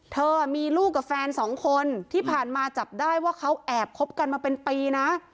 เธอมีลูกกับแฟนสองคนที่ผ่านมาจับได้ว่าเขาแอบคบกันมาเป็นปีนะ